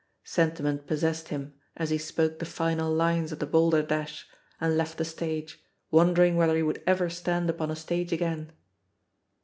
Sentiment possessed him as he spoke the final lines of the balderdash and left the stage, won dering whether he would ever stand upon a stage again.